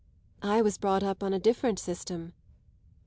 "I was brought up on a different system."